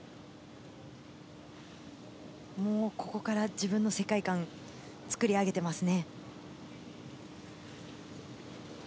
もうここから自分の世界観、作り上げていますね。